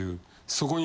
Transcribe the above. そこに。